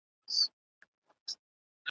دا یو څو ورځي ژوندون دی نازوه مي .